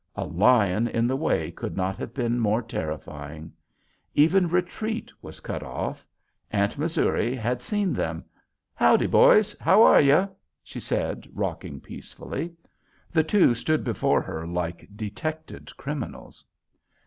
A lion in the way could not have been more terrifying. Even retreat was cut off. Aunt Missouri had seen them. "Howdy, boys; how are you?" she said, rocking peacefully. The two stood before her like detected criminals.